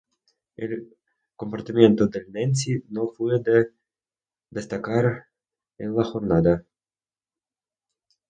El comportamiento del "Nancy" no fue de destacar en la jornada.